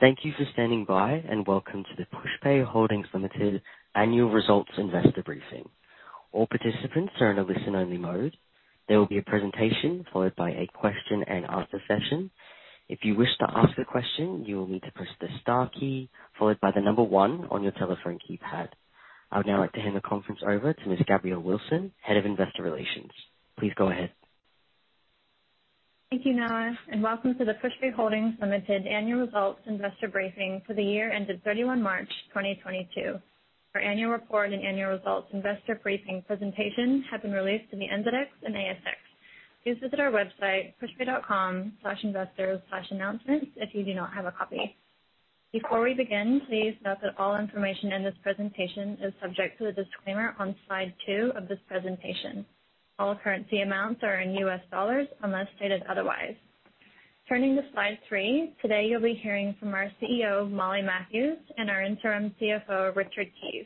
Thank you for standing by, and welcome to the Pushpay Holdings Limited Annual Results Investor Briefing. All participants are in a Listen-Only Mode. There will be a presentation followed by a Question-And-Answer session. If you wish to ask a question, you will need to press the star key followed by the number one on your telephone keypad. I would now like to hand the conference over to Ms. Gabrielle Wilson, Head of Investor Relations. Please go ahead. Thank you, Noah, and welcome to the Pushpay Holdings Limited Annual Results Investor Briefing for the year ended 31 March 2022. Our annual report and annual results investor briefing presentation have been released in the NZX and ASX. Please visit our website, pushpay.com/investors/announcements if you do not have a copy. Before we begin, please note that all information in this presentation is subject to the disclaimer on Slide 2 of this presentation. All currency amounts are in US dollars unless stated otherwise. Turning to Slide 3. Today you'll be hearing from our CEO, Molly Matthews, and our interim CFO, Richard Keys.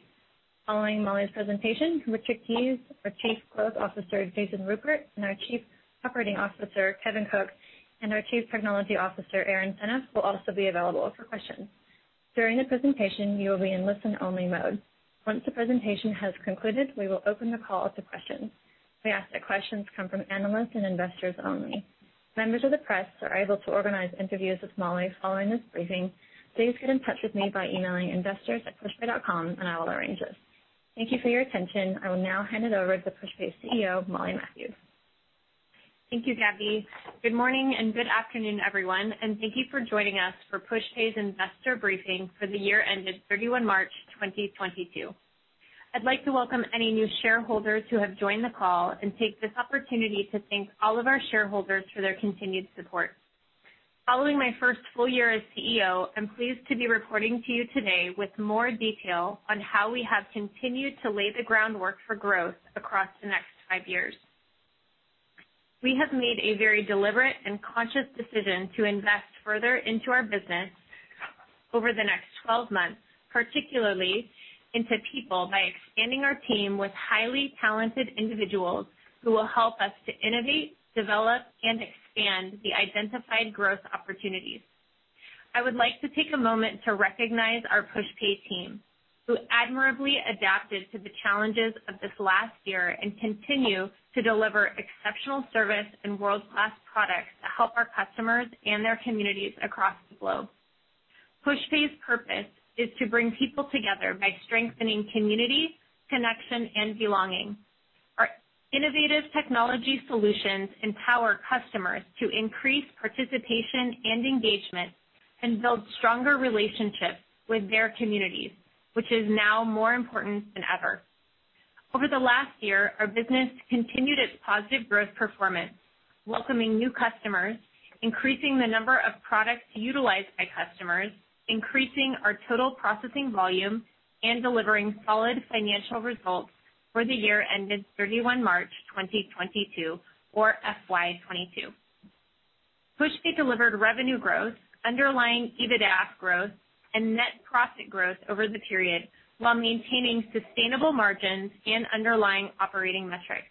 Following Molly's presentation, Richard Keys, our Chief Growth Officer, Jason Rupert, and our Chief Operating Officer, Kevin Kuck, and our Chief Technology Officer, Aaron Senneff, will also be available for questions. During the presentation you will be in listen-only mode. Once the presentation has concluded, we will open the call to questions. We ask that questions come from analysts and investors only. Members of the press are able to organize interviews with Molly following this briefing. Please get in touch with me by emailing investors@pushpay.com, and I will arrange this. Thank you for your attention. I will now hand it over to Pushpay's CEO, Molly Matthews. Thank you, Gabrielle. Good morning and good afternoon, everyone, and thank you for joining us for Pushpay's investor briefing for the year ended 31 March 2022. I'd like to welcome any new shareholders who have joined the call and take this opportunity to thank all of our shareholders for their continued support. Following my first full year as CEO, I'm pleased to be reporting to you today with more detail on how we have continued to lay the groundwork for growth across the next 5 years. We have made a very deliberate and conscious decision to invest further into our business over the next 12 months, particularly into people, by expanding our team with highly talented individuals who will help us to innovate, develop, and expand the identified growth opportunities. I would like to take a moment to recognize our Pushpay team, who admirably adapted to the challenges of this last year and continue to deliver exceptional service and World-Class products that help our customers and their communities across the globe. Pushpay's purpose is to bring people together by strengthening community, connection and belonging. Our innovative technology solutions empower customers to increase participation and engagement and build stronger relationships with their communities, which is now more important than ever. Over the last year, our business continued its positive growth performance, welcoming new customers, increasing the number of products utilized by customers, increasing our total processing volume, and delivering solid financial results for the year ended 31 March 2022 or FY22. Pushpay delivered revenue growth, underlying EBITDA growth, and net profit growth over the period, while maintaining sustainable margins and underlying operating metrics.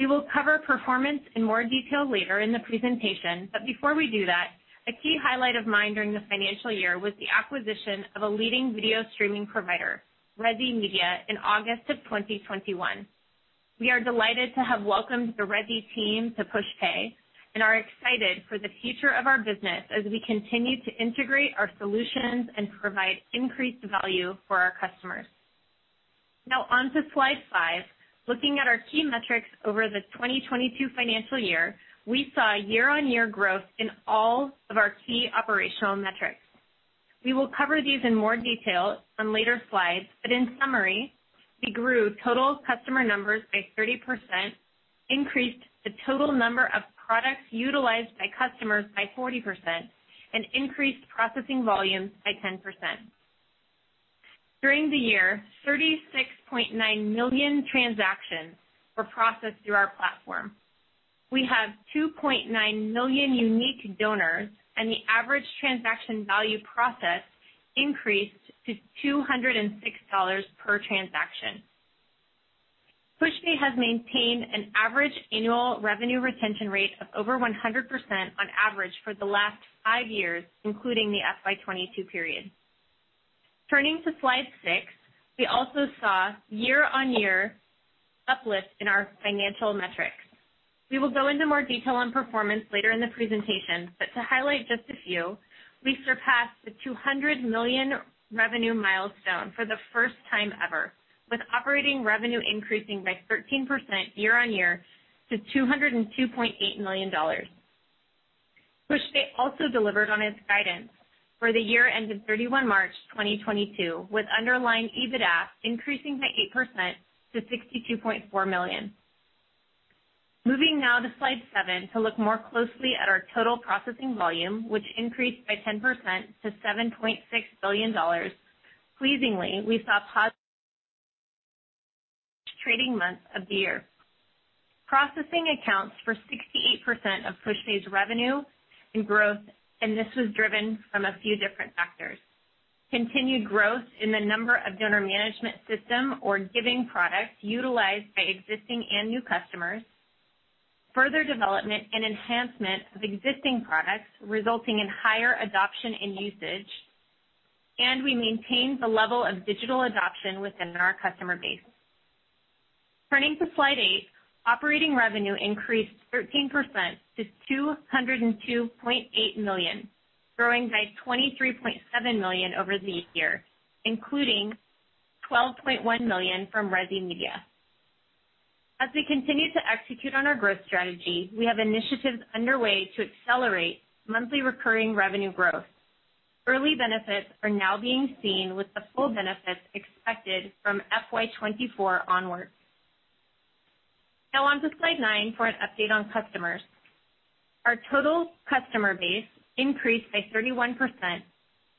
We will cover performance in more detail later in the presentation, but before we do that, a key highlight of mine during the financial year was the acquisition of a leading video streaming provider, Resi Media, in August 2021. We are delighted to have welcomed the Resi team to Pushpay and are excited for the future of our business as we continue to integrate our solutions and provide increased value for our customers. Now on to Slide 5. Looking at our key metrics over the 2022 financial year, we saw year-on-Year growth in all of our key operational metrics. We will cover these in more detail on later Slides, but in summary, we grew total customer numbers by 30%, increased the total number of products utilized by customers by 40%, and increased processing volume by 10%. During the year, 36.9 million transactions were processed through our platform. We have 2.9 million unique donors, and the average transaction value processed increased to $206 per transaction. Pushpay has maintained an average annual revenue retention rate of over 100% on average for the last 5 years, including the FY22 period. Turning to Slide 6, we also saw year-on-Year uplift in our financial metrics. We will go into more detail on performance later in the presentation, but to highlight just a few, we surpassed the $200 million revenue milestone for the first time ever, with operating revenue increasing by 13% year-on-Year to $202.8 million. Pushpay also delivered on its guidance for the year ended 31 March 2022, with underlying EBITDA increasing by 8% to $62.4 million. Moving now to Slide 7 to look more closely at our total processing volume, which increased by 10% to $7.6 billion. Pleasingly, we saw positive trading months of the year. Processing accounts for 68% of Pushpay's revenue and growth, and this was driven from a few different factors. Continued growth in the number of donor management system or giving products utilized by existing and new customers. Further development and enhancement of existing products, resulting in higher adoption and usage, and we maintain the level of digital adoption within our customer base. Turning to Slide 8, operating revenue increased 13% to $202.8 million, growing by $23.7 million over the year, including $12.1 million from Resi Media. As we continue to execute on our growth strategy, we have initiatives underway to accelerate monthly recurring revenue growth. Early benefits are now being seen with the full benefits expected from FY24 onwards. Now on to Slide 9 for an update on customers. Our total customer base increased by 31%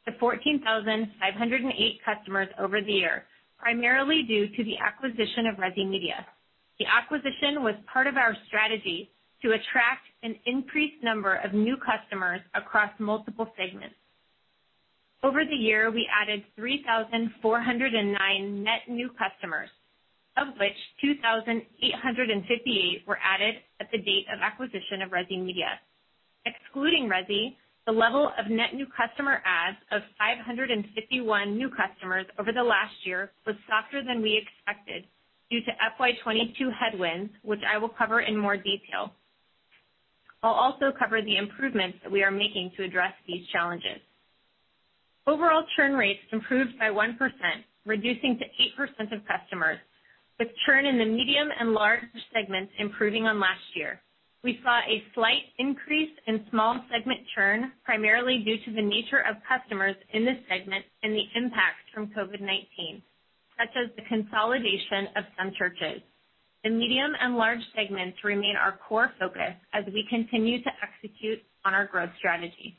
to 14,508 customers over the year, primarily due to the acquisition of Resi Media. The acquisition was part of our strategy to attract an increased number of new customers across multiple segments. Over the year, we added 3,409 net new customers, of which 2,858 were added at the date of acquisition of Resi Media. Excluding Resi, the level of net new customer adds of 551 new customers over the last year was softer than we expected due to FY22 headwinds, which I will cover in more detail. I'll also cover the improvements that we are making to address these challenges. Overall churn rates improved by 1%, reducing to 8% of customers, with churn in the medium and large segments improving on last year. We saw a slight increase in small segment churn, primarily due to the nature of customers in this segment and the impact from COVID-19, such as the consolidation of some churches. The medium and large segments remain our core focus as we continue to execute on our growth strategy.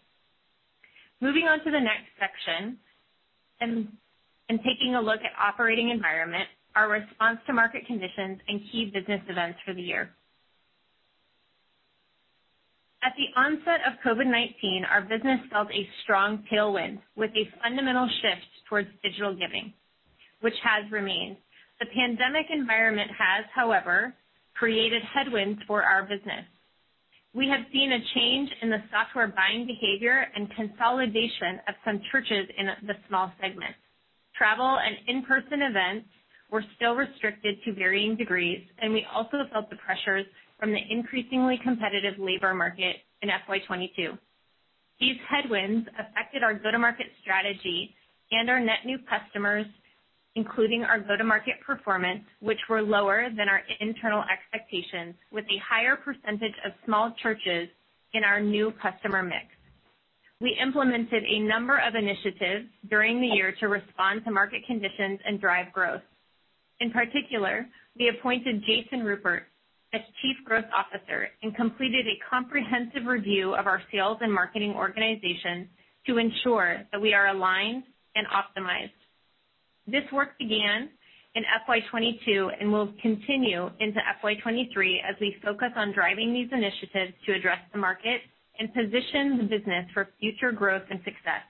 Moving on to the next section and taking a look at operating environment, our response to market conditions and key business events for the year. At the onset of COVID-19, our business felt a strong tailwind with a fundamental shift towards digital giving, which has remained. The pandemic environment has, however, created headwinds for our business. We have seen a change in the software buying behavior and consolidation of some churches in the small segment. Travel and In-Person events were still restricted to varying degrees, and we also felt the pressures from the increasingly competitive labor market in FY22. These headwinds affected our Go-To-Market strategy and our net new customers, including our Go-To-Market performance, which were lower than our internal expectations, with a higher percentage of small churches in our new customer mix. We implemented a number of initiatives during the year to respond to market conditions and drive growth. In particular, we appointed Jason Rupert as Chief Growth Officer and completed a comprehensive review of our sales and marketing organization to ensure that we are aligned and optimized. This work began in FY22 and will continue into FY23 as we focus on driving these initiatives to address the market and position the business for future growth and success.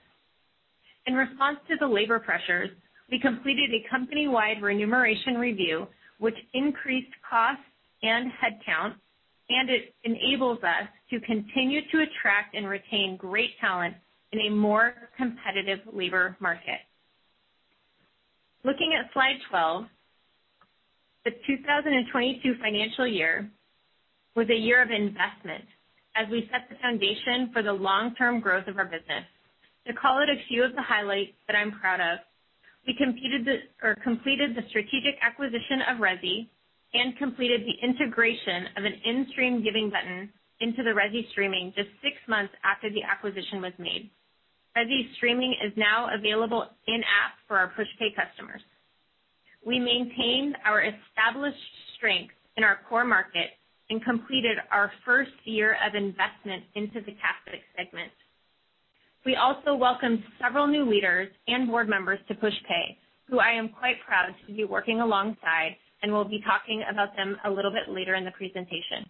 In response to the labor pressures, we completed a company-wide remuneration review, which increased costs and head count, and it enables us to continue to attract and retain great talent in a more competitive labor market. Looking at Slide 12, the 2022 financial year was a year of investment as we set the foundation for the Long-Term growth of our business. To call out a few of the highlights that I'm proud of, we completed the strategic acquisition of Resi and completed the integration of an in-stream giving button into the Resi streaming just 6 months after the acquisition was made. Resi streaming is now available in-app for our Pushpay customers. We maintained our established strength in our core market and completed our first year of investment into the Catholic segment. We also welcomed several new leaders and board members to Pushpay, who I am quite proud to be working alongside, and we'll be talking about them a little bit later in the presentation.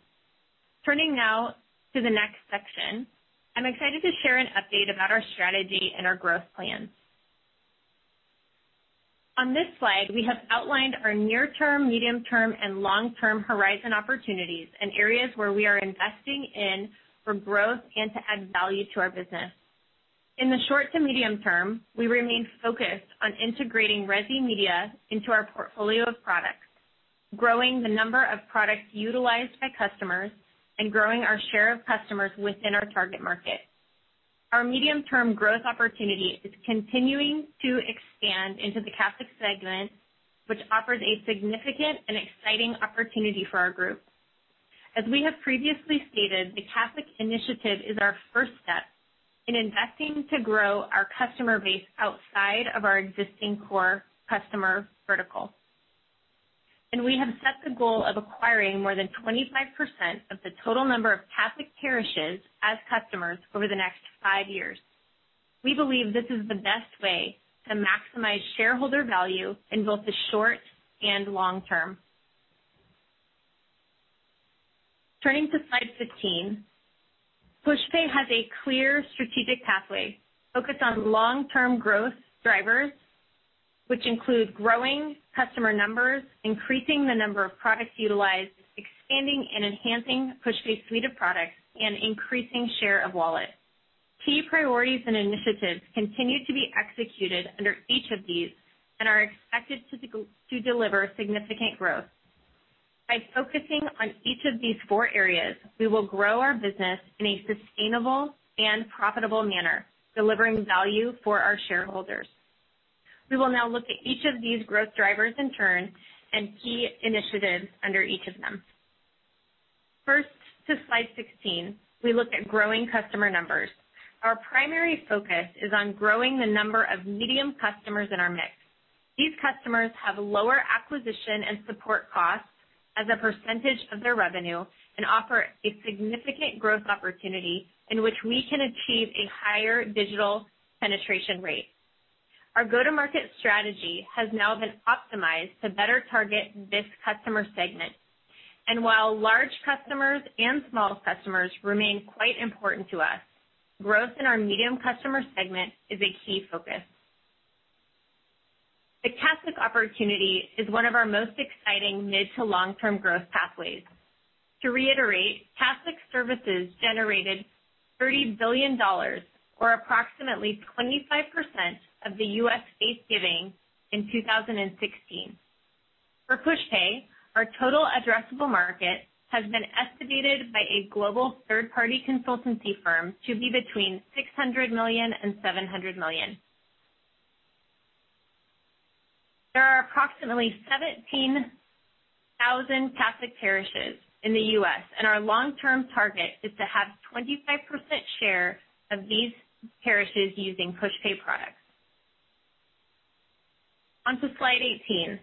Turning now to the next section, I'm excited to share an update about our strategy and our growth plans. On this Slide, we have outlined our Near-Term, Medium-Term, and Long-Term horizon opportunities and areas where we are investing in for growth and to add value to our business. In the short to medium term, we remain focused on integrating Resi Media into our portfolio of products, growing the number of products utilized by customers, and growing our share of customers within our target market. Our medium-term growth opportunity is continuing to expand into the Catholic segment, which offers a significant and exciting opportunity for our group. As we have previously stated, the Catholic initiative is our first step in investing to grow our customer base outside of our existing core customer vertical. We have set the goal of acquiring more than 25% of the total number of Catholic parishes as customers over the next 5 years. We believe this is the best way to maximize shareholder value in both the short and long term. Turning to Slide 15. Pushpay has a clear strategic pathway focused on Long-Term growth drivers, which include growing customer numbers, increasing the number of products utilized, expanding and enhancing Pushpay's suite of products, and increasing share of wallet. Key priorities and initiatives continue to be executed under each of these and are expected to deliver significant growth. By focusing on each of these 4 areas, we will grow our business in a sustainable and profitable manner, delivering value for our shareholders. We will now look at each of these growth drivers in turn and key initiatives under each of them. First, to Slide 16, we look at growing customer numbers. Our primary focus is on growing the number of medium customers in our mix. These customers have lower acquisition and support costs as a percentage of their revenue and offer a significant growth opportunity in which we can achieve a higher digital penetration rate. Our Go-To-Market strategy has now been optimized to better target this customer segment. While large customers and small customers remain quite important to us, growth in our medium customer segment is a key focus. The Catholic opportunity is one of our most exciting mid to Long-Term growth pathways. To reiterate, Catholic services generated $30 billion, or approximately 25% of the US faith giving in 2016. For Pushpay, our total addressable market has been estimated by a global third-party consultancy firm to be between $600 million and $700 million. There are approximately 17,000 Catholic parishes in the US, and our Long-Term target is to have 25% share of these parishes using Pushpay products. On to Slide 18.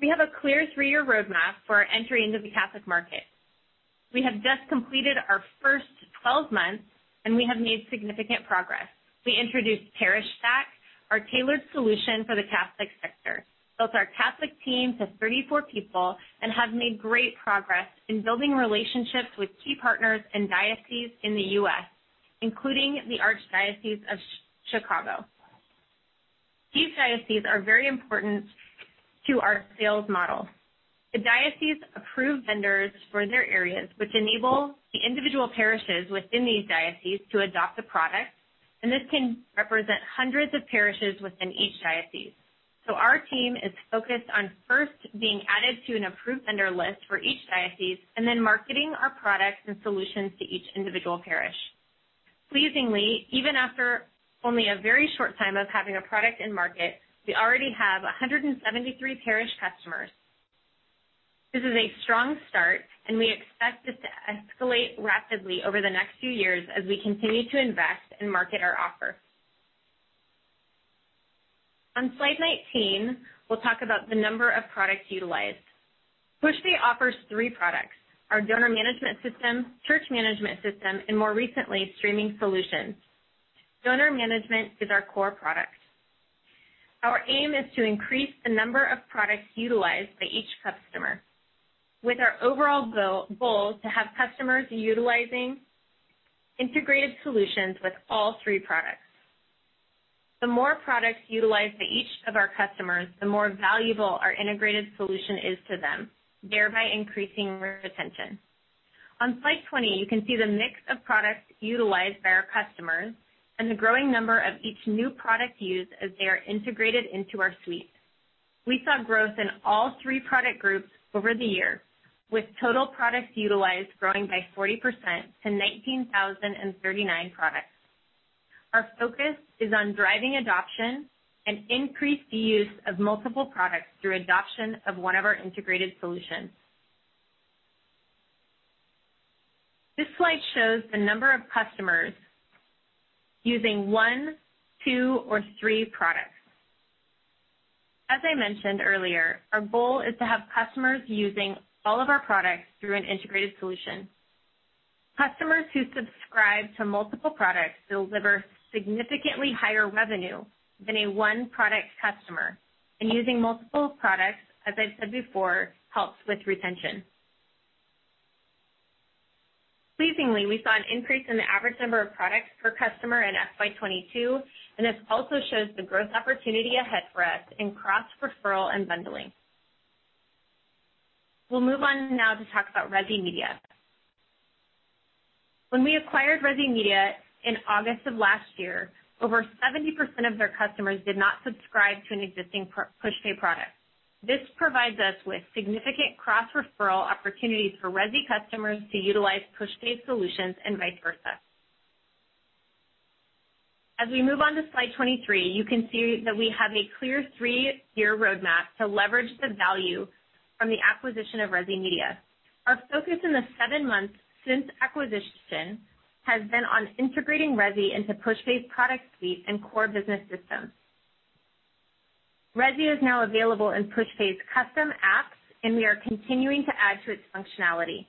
We have a clear 3-Year roadmap for our entry into the Catholic market. We have just completed our first 12 months, and we have made significant progress. We introduced ParishStaq, our tailored solution for the Catholic sector, built our Catholic team to 34 people, and have made great progress in building relationships with key partners and dioceses in the US, including the Archdiocese of Chicago. These dioceses are very important to our sales model. The diocese approve vendors for their areas, which enable the individual parishes within these dioceses to adopt the product, and this can represent hundreds of parishes within each diocese. Our team is focused on first being added to an approved vendor list for each diocese and then marketing our products and solutions to each individual parish. Pleasingly, even after only a very short time of having a product in market, we already have 173 parish customers. This is a strong start, and we expect it to escalate rapidly over the next few years as we continue to invest and market our offer. On Slide 19, we'll talk about the number of products utilized. Pushpay offers 3 products: our donor management system, church management system, and more recently, streaming solutions. Donor management is our core product. Our aim is to increase the number of products utilized by each customer, with our overall goal to have customers utilizing integrated solutions with all 3 products. The more products utilized by each of our customers, the more valuable our integrated solution is to them, thereby increasing our retention. On Slide 20, you can see the mix of products utilized by our customers and the growing number of each new product used as they are integrated into our suite. We saw growth in all 3 product groups over the year, with total products utilized growing by 40% to 19,039 products. Our focus is on driving adoption and increased use of multiple products through adoption of one of our integrated solutions. This Slide shows the number of customers using one, 2, or 3 products. As I mentioned earlier, our goal is to have customers using all of our products through an integrated solution. Customers who subscribe to multiple products deliver significantly higher revenue than a one-product customer, and using multiple products, as I've said before, helps with retention. Pleasingly, we saw an increase in the average number of products per customer in FY22, and this also shows the growth opportunity ahead for us in Cross-Referral and bundling. We'll move on now to talk about Resi Media. When we acquired Resi Media in August of last year, over 70% of their customers did not subscribe to an existing Pushpay product. This provides us with significant Cross-Referral opportunities for Resi customers to utilize Pushpay solutions and vice versa. As we move on to Slide 23, you can see that we have a clear 3-Year roadmap to leverage the value from the acquisition of Resi Media. Our focus in the 7 months since acquisition has been on integrating Resi into Pushpay's product suite and core business systems. Resi is now available in Pushpay's custom apps, and we are continuing to add to its functionality.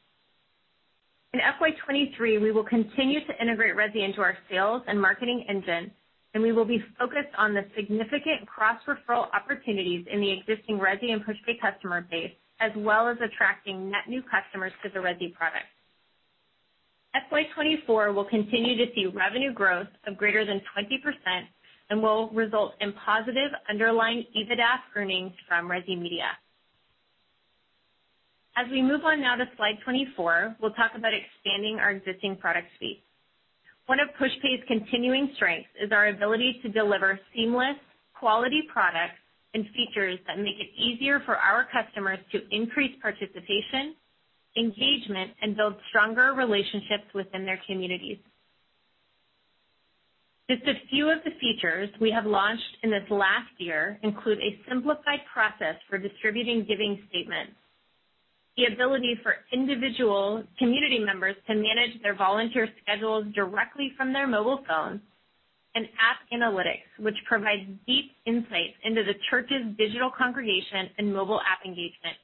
In FY23, we will continue to integrate Resi into our sales and marketing engine. We will be focused on the significant Cross-Referral opportunities in the existing Resi and Pushpay customer base, as well as attracting net new customers to the Resi product. FY24 will continue to see revenue growth of greater than 20% and will result in positive underlying EBITDA earnings from Resi Media. As we move on now to Slide 24, we'll talk about expanding our existing product suite. One of Pushpay's continuing strengths is our ability to deliver seamless quality products and features that make it easier for our customers to increase participation, engagement, and build stronger relationships within their communities. Just a few of the features we have launched in this last year include a simplified process for distributing giving statements, the ability for individual community members to manage their volunteer schedules directly from their mobile phones, and app analytics, which provides deep insights into the church's digital congregation and mobile app engagement.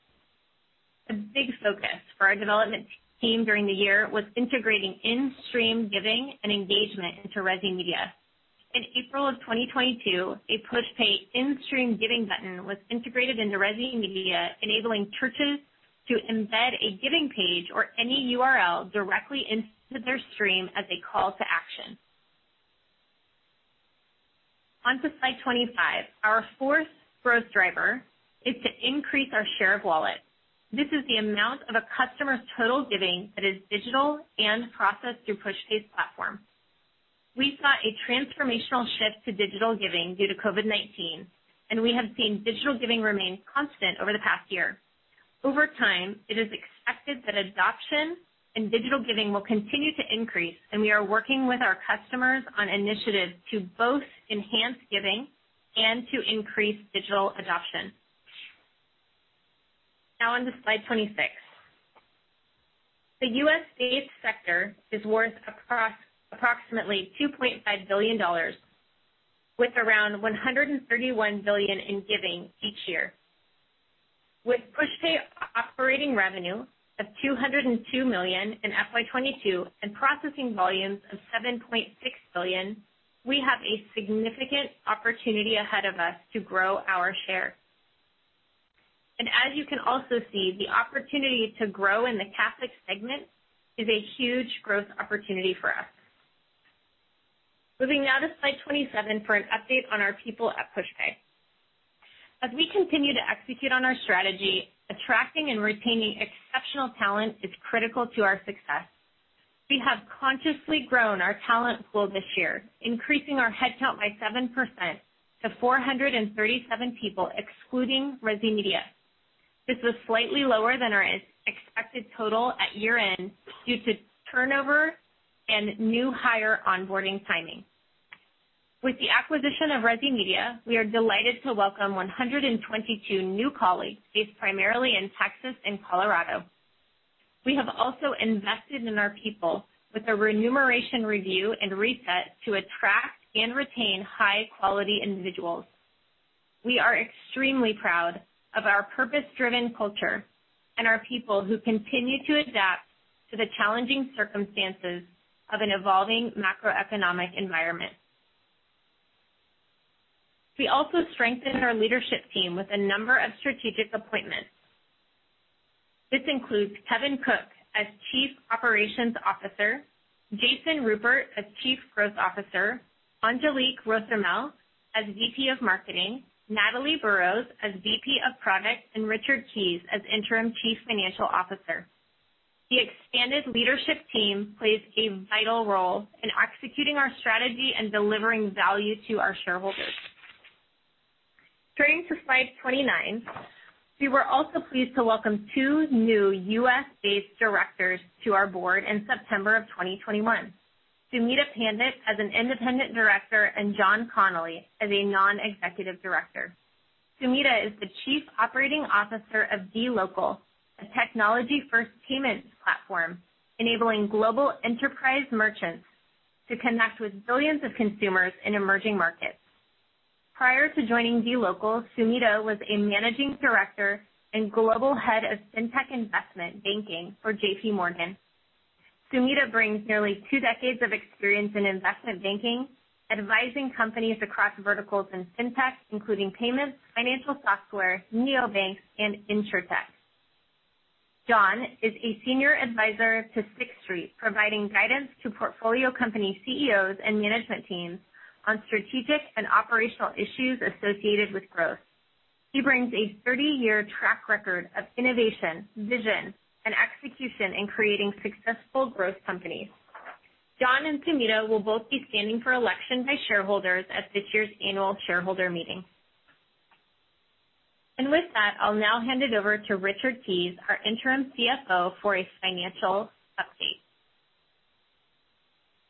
A big focus for our development team during the year was integrating In-Stream giving and engagement into Resi Media. In April of 2022, a Pushpay in-stream giving button was integrated into Resi Media, enabling churches to embed a giving page or any URL directly into their stream as a call to action. On to Slide 25. Our 4th growth driver is to increase our share of wallet. This is the amount of a customer's total giving that is digital and processed through Pushpay's platform. We saw a transformational shift to digital giving due to COVID-19, and we have seen digital giving remain constant over the past year. Over time, it is expected that adoption and digital giving will continue to increase, and we are working with our customers on initiatives to both enhance giving and to increase digital adoption. Now on to Slide 26. The U.S.-based sector is worth across approximately $2.5 billion, with around $131 billion in giving each year. With Pushpay operating revenue of $202 million in FY22 and processing volumes of $7.6 billion, we have a significant opportunity ahead of us to grow our share. As you can also see, the opportunity to grow in the Catholic segment is a huge growth opportunity for us. Moving now to Slide 27 for an update on our people at Pushpay. As we continue to execute on our strategy, attracting and retaining exceptional talent is critical to our success. We have consciously grown our talent pool this year, increasing our headcount by 7% to 437 people, excluding Resi Media. This is slightly lower than our expected total at Year-End due to turnover and new hire onboarding timing. With the acquisition of Resi Media, we are delighted to welcome 122 new colleagues based primarily in Texas and Colorado. We have also invested in our people with a remuneration review and reset to attract and retain high-quality individuals. We are extremely proud of our purpose-driven culture and our people who continue to adapt to the challenging circumstances of an evolving macroeconomic environment. We also strengthened our leadership team with a number of strategic appointments. This includes Kevin Kuck as Chief Operations Officer, Jason Rupert as Chief Growth Officer, Angelique Rothermel as VP of Marketing, Natalie Burrows as VP of Product, and Richard Keys as Interim Chief Financial Officer. The expanded leadership team plays a vital role in executing our strategy and delivering value to our shareholders. Turning to Slide 29. We were also pleased to welcome 2 new U.S.-based directors to our board in September of 2021. Sumita Pandit as an independent director, and John Connolly as a Non-executive director. Sumita is the Chief Operating Officer of dLocal, a technology-first payments platform enabling global enterprise merchants to connect with billions of consumers in emerging markets. Prior to joining dLocal, Sumita was a Managing Director and Global Head of Fintech Investment Banking for J.P. Morgan. Sumita brings nearly 2 decades of experience in investment banking, advising companies across verticals in fintech, including payments, financial software, neobanks, and insurtech. John is a senior advisor to Sixth Street, providing guidance to portfolio company CEOs and management teams on strategic and operational issues associated with growth. He brings a thirty-Year track record of innovation, vision, and execution in creating successful growth companies. John and Sumita will both be standing for election by shareholders at this year's annual shareholder meeting. With that, I'll now hand it over to Richard Keys, our interim CFO, for a financial update.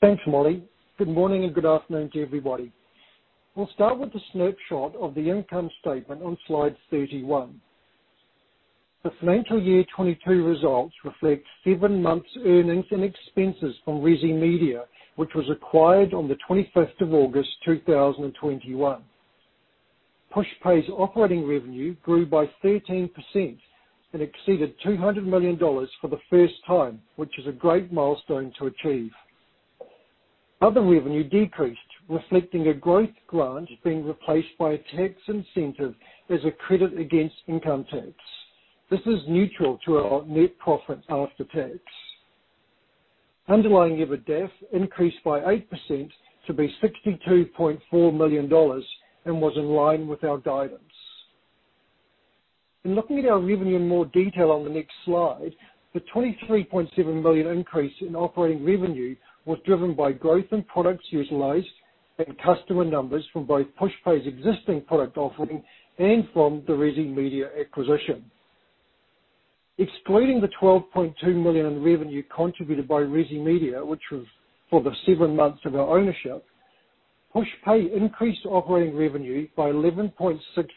Thanks, Molly. Good morning and good afternoon to everybody. We'll start with the snapshot of the income statement on Slide 31. The financial year 2022 results reflect 7 months earnings and expenses from Resi Media, which was acquired on the 25th of August 2021. Pushpay's operating revenue grew by 13% and exceeded $200 million for the first time, which is a great milestone to achieve. Other revenue decreased, reflecting a growth grant being replaced by a tax incentive as a credit against income tax. This is neutral to our net profit after tax. Underlying EBITDAF increased by 8% to be $62.4 million and was in line with our guidance. In looking at our revenue in more detail on the next Slide, the $23.7 million increase in operating revenue was driven by growth in products utilized and customer numbers from both Pushpay's existing product offering and from the Resi Media acquisition. Excluding the $12.2 million in revenue contributed by Resi Media, which was for the 7 months of our ownership, Pushpay increased operating revenue by $11.6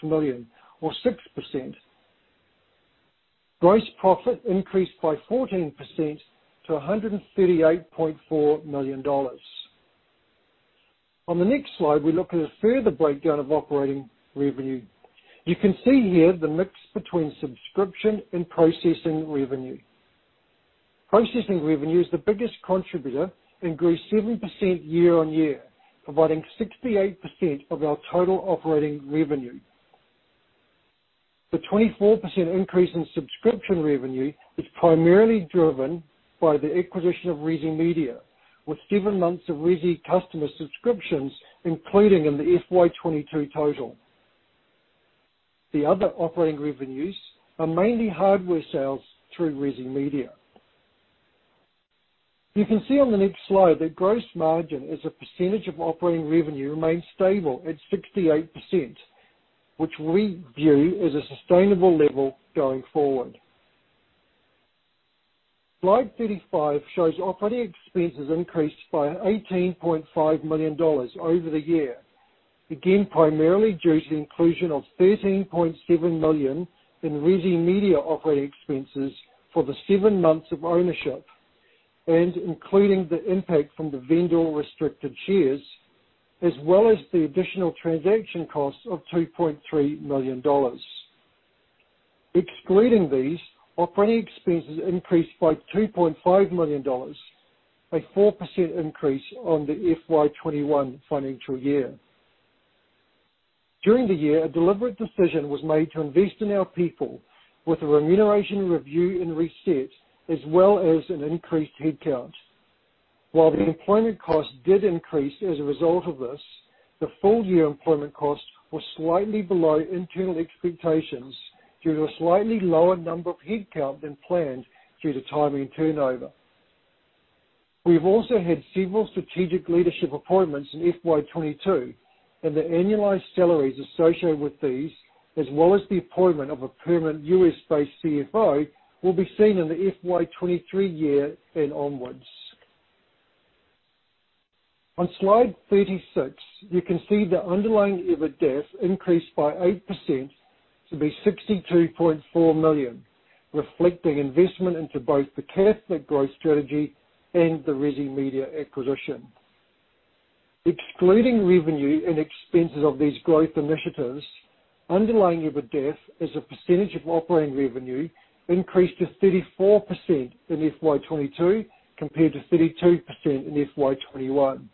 million or 6%. Gross profit increased by 14% to $138.4 million. On the next Slide, we look at a further breakdown of operating revenue. You can see here the mix between subscription and processing revenue. Processing revenue is the biggest contributor and grew 7% year-on-Year, providing 68% of our total operating revenue. The 24% increase in subscription revenue is primarily driven by the acquisition of Resi Media, with 7 months of Resi customer subscriptions, including in the FY22 total. The other operating revenues are mainly hardware sales through Resi Media. You can see on the next Slide that gross margin as a percentage of operating revenue remains stable at 68%, which we view as a sustainable level going forward. Slide 35 shows operating expenses increased by $18.5 million over the year. Again, primarily due to the inclusion of $13.7 million in Resi Media operating expenses for the 7 months of ownership and including the impact from the vendor restricted shares, as well as the additional transaction costs of $2.3 million. Excluding these, operating expenses increased by $2.5 million, a 4% increase on the FY21 financial year. During the year, a deliberate decision was made to invest in our people with a remuneration review and reset, as well as an increased headcount. While the employment cost did increase as a result of this, the full-Year employment cost was slightly below internal expectations due to a slightly lower number of headcount than planned due to timing turnover. We have also had several strategic leadership appointments in FY22 and the annualized salaries associated with these, as well as the appointment of a permanent U.S.-Based CFO, will be seen in the FY23 year and onwards. On Slide 36, you can see the underlying EBITDAF increased by 8% to $62.4 million, reflecting investment into both the Catholic growth strategy and the Resi Media acquisition. Excluding revenue and expenses of these growth initiatives, underlying EBITDAF as a percentage of operating revenue increased to 34% in FY22 compared to 32% in FY21.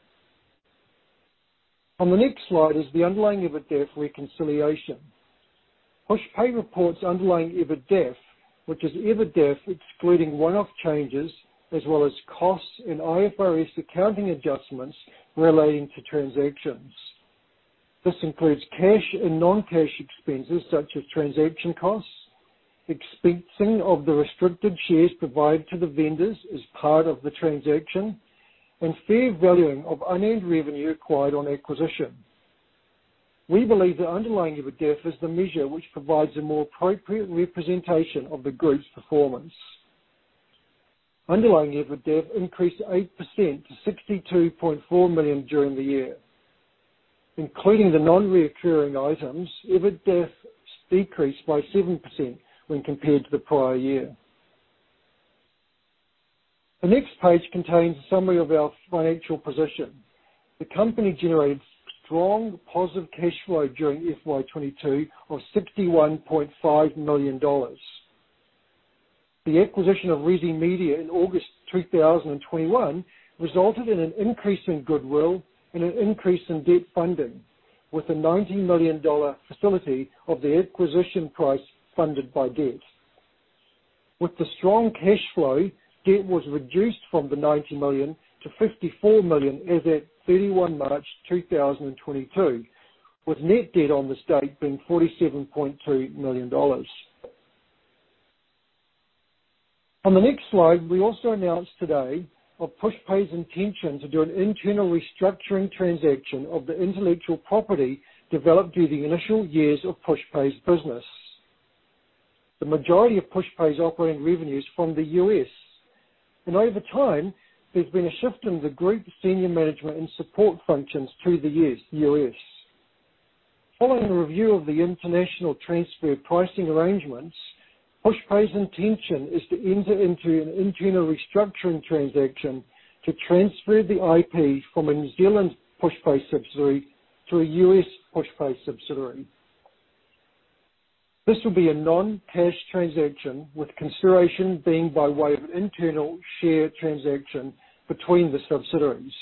On the next Slide is the underlying EBITDAF reconciliation. Pushpay reports underlying EBITDAF, which is EBITDAF excluding one-off changes as well as costs and IFRS accounting adjustments relating to transactions. This includes cash and Non-cash expenses such as transaction costs, expensing of the restricted shares provided to the vendors as part of the transaction, and fair valuing of unearned revenue acquired on acquisition. We believe that underlying EBITDAF is the measure which provides a more appropriate representation of the group's performance. Underlying EBITDAF increased 8% to $62.4 million during the year. Including the Non-recurring items, EBITDAF decreased by 7% when compared to the prior year. The next page contains a summary of our financial position. The company generated strong positive cash flow during FY22 of $61.5 million. The acquisition of Resi Media in August 2021 resulted in an increase in goodwill and an increase in debt funding, with a $90 million facility of the acquisition price funded by debt. With the strong cash flow, debt was reduced from the $90 million to $54 million as at 31 March 2022, with net debt on this date being $47.2 million. On the next Slide, we also announced today of Pushpay's intention to do an internal restructuring transaction of the intellectual property developed during the initial years of Pushpay's business. The majority of Pushpay's operating revenue is from the US and over time, there's been a shift in the group senior management and support functions to the US. Following a review of the international transfer pricing arrangements, Pushpay's intention is to enter into an internal restructuring transaction to transfer the IP from a New Zealand Pushpay subsidiary to a US Pushpay subsidiary. This will be a Non-cash transaction, with consideration being by way of an internal share transaction between the subsidiaries.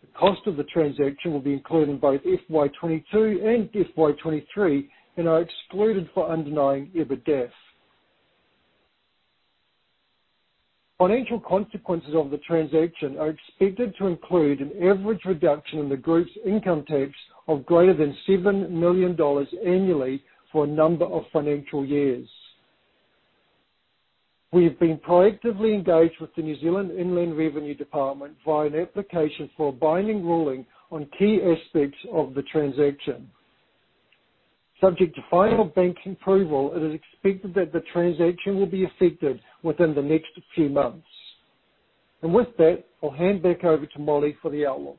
The cost of the transaction will be included in both FY22 and FY23 and are excluded for underlying EBITDAF. Financial consequences of the transaction are expected to include an average reduction in the group's income tax of greater than $7 million annually for a number of financial years. We have been proactively engaged with the New Zealand Inland Revenue Department via an application for a binding ruling on key aspects of the transaction. Subject to final bank approval, it is expected that the transaction will be effected within the next few months. With that, I'll hand back over to Molly for the outlook.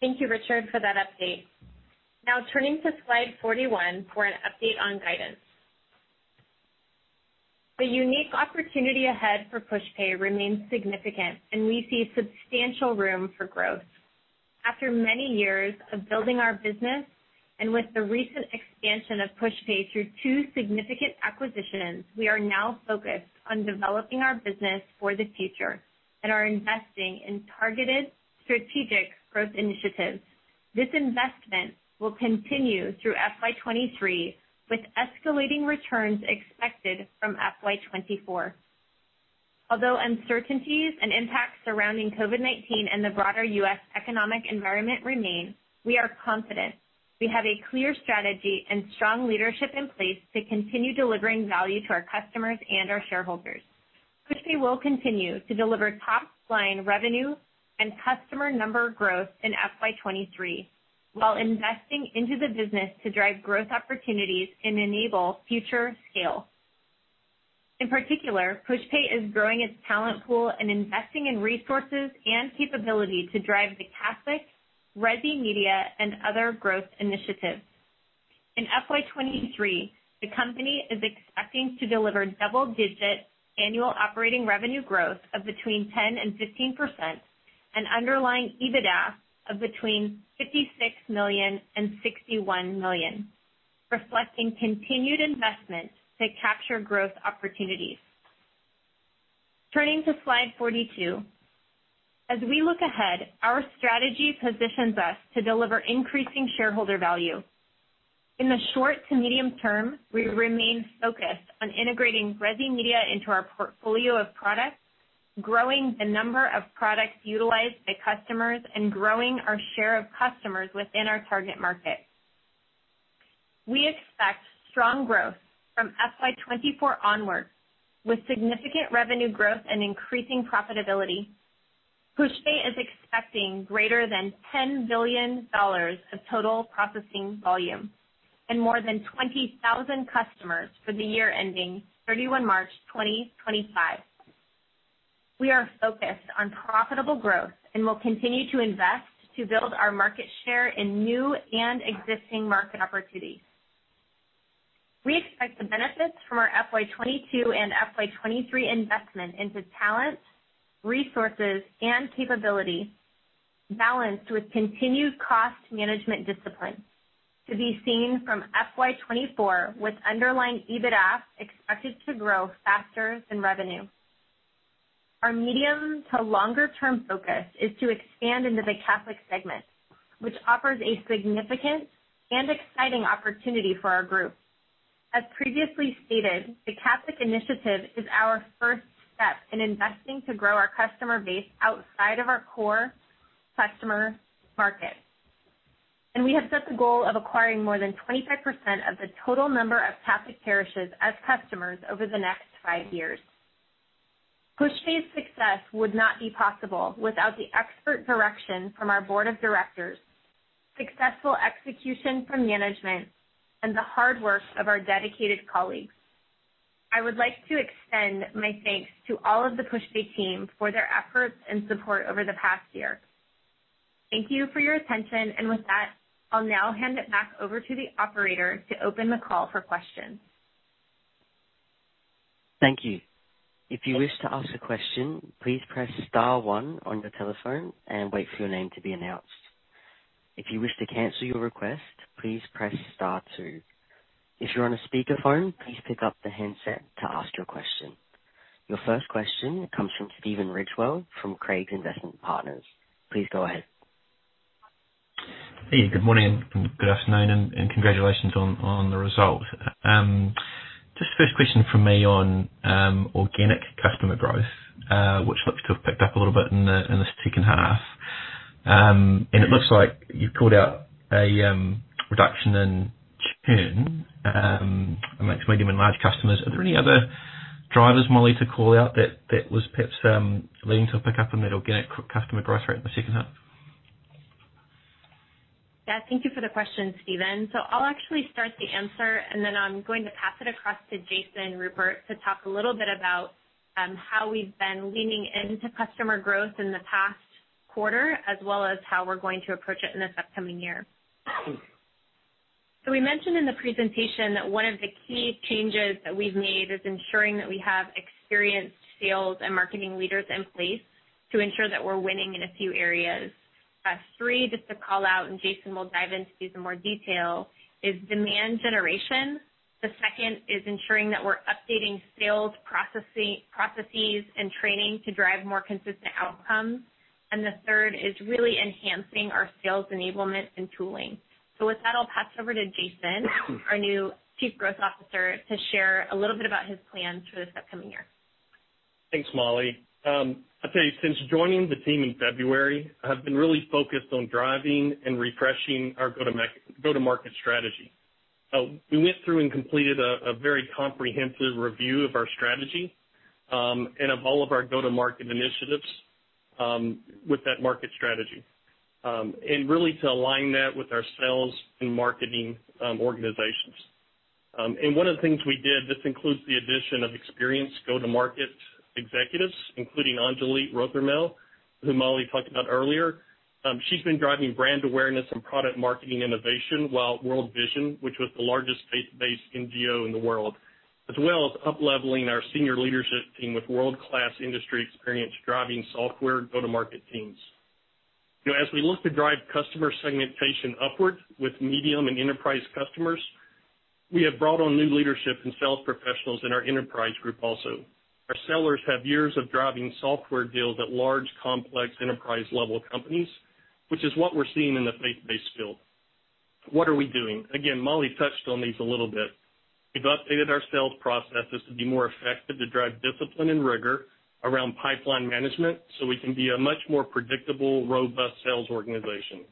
Thank you, Richard, for that update. Now turning to Slide 41 for an update on guidance. The unique opportunity ahead for Pushpay remains significant, and we see substantial room for growth. After many years of building our business and with the recent expansion of Pushpay through 2 significant acquisitions, we are now focused on developing our business for the future and are investing in targeted strategic growth initiatives. This investment will continue through FY23, with escalating returns expected from FY24. Although uncertainties and impacts surrounding COVID-19 and the broader US economic environment remain, we are confident we have a clear strategy and strong leadership in place to continue delivering value to our customers and our shareholders. Pushpay will continue to deliver top-line revenue and customer number growth in FY23 while investing into the business to drive growth opportunities and enable future scale. In particular, Pushpay is growing its talent pool and investing in resources and capability to drive the Catholic, Resi Media, and other growth initiatives. In FY23, the company is expecting to deliver double-digit annual operating revenue growth of between 10% and 15% and underlying EBITDA of between $56 million and $61 million, reflecting continued investment to capture growth opportunities. Turning to Slide 42. As we look ahead, our strategy positions us to deliver increasing shareholder value. In the short to medium term, we remain focused on integrating Resi Media into our portfolio of products, growing the number of products utilized by customers, and growing our share of customers within our target market. We expect strong growth from FY24 onwards, with significant revenue growth and increasing profitability. Pushpay is expecting greater than $10 billion of total processing volume and more than 20,000 customers for the year ending 31 March 2025. We are focused on profitable growth and will continue to invest to build our market share in new and existing market opportunities. We expect the benefits from our FY22 and FY23 investment into talent, resources, and capability balanced with continued cost management discipline to be seen from FY24, with underlying EBITDAF expected to grow faster than revenue. Our medium to longer term focus is to expand into the Catholic segment, which offers a significant and exciting opportunity for our group. As previously stated, the Catholic initiative is our first step in investing to grow our customer base outside of our core customer market. We have set the goal of acquiring more than 25% of the total number of Catholic parishes as customers over the next 5 years. Pushpay's success would not be possible without the expert direction from our board of directors, successful execution from management, and the hard work of our dedicated colleagues. I would like to extend my thanks to all of the Pushpay team for their efforts and support over the past year. Thank you for your attention. With that, I'll now hand it back over to the operator to open the call for questions. Thank you. If you wish to ask a question, please press star one on your telephone and wait for your name to be announced. If you wish to cancel your request, please press star 2. If you're on a speakerphone, please pick up the handset to ask your question. Your first question comes from Stephen Ridgewell from Craigs Investment Partners. Please go ahead. Hey, good morning and good afternoon, and congratulations on the results. Just first question from me on organic customer growth, which looks to have picked up a little bit in the second 1/2. It looks like you've called out a reduction in churn among medium and large customers. Are there any other drivers, Molly, to call out that was perhaps leading to a pickup in that organic customer growth rate in the second 1/2? Yeah, thank you for the question, Stephen. I'll actually start the answer, and then I'm going to pass it across to Jason Rupert to talk a little bit about how we've been leaning into customer growth in the past 1/4, as well as how we're going to approach it in this upcoming year. We mentioned in the presentation that one of the key changes that we've made is ensuring that we have experienced sales and marketing leaders in place to ensure that we're winning in a few areas. Three, just to call out, and Jason will dive into these in more detail, is demand generation. The second is ensuring that we're updating sales processes and training to drive more consistent outcomes. The 1/3 is really enhancing our sales enablement and tooling. With that, I'll pass over to Jason, our new Chief Growth Officer, to share a little bit about his plans for this upcoming year. Thanks, Molly. I'd say since joining the team in February, I have been really focused on driving and refreshing our Go-To-Market strategy. We went through and completed a very comprehensive review of our strategy, and of all of our Go-To-Market initiatives, with that market strategy, and really to align that with our sales and marketing organizations. One of the things we did includes the addition of experienced Go-To-Market executives, including Angelique Rothermel, who Molly talked about earlier. She's been driving brand awareness and product marketing innovation while World Vision, which was the largest faith-based NGO in the world, as well as upleveling our senior leadership team with World-Class industry experience driving software Go-To-Market teams. You know, as we look to drive customer segmentation upward with medium and enterprise customers, we have brought on new leadership and sales professionals in our enterprise group also. Our sellers have years of driving software deals at large, complex enterprise-level companies, which is what we're seeing in the faith-based field. What are we doing? Again, Molly touched on these a little bit. We've updated our sales processes to be more effective to drive discipline and rigor around pipeline management, so we can be a much more predictable, robust sales organization.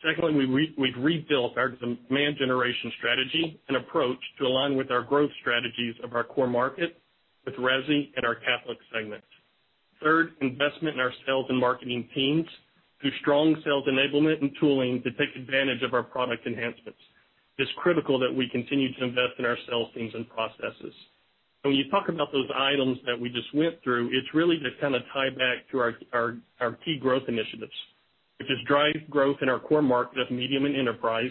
Secondly, we've rebuilt our demand generation strategy and approach to align with our growth strategies of our core market with Resi and our Catholic segments. Third, investment in our sales and marketing teams through strong sales enablement and tooling to take advantage of our product enhancements. It's critical that we continue to invest in our sales teams and processes. When you talk about those items that we just went through, it's really to kinda tie back to our key growth initiatives, which is drive growth in our core market of medium and enterprise,